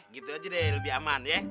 gitu aja deh lebih aman ya